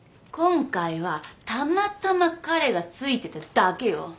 今回はたまたま彼がついてただけよ。